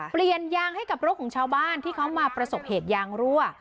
เปลี่ยนยางให้กับรถของชาวบ้านที่เขามาประสบเหตุยางรั่ว